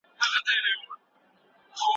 بد خبره زړونه دردوي